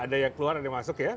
ada yang keluar ada yang masuk ya